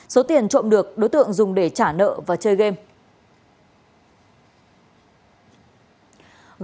số tiền trộm được đối tượng dùng để trả nợ và chơi game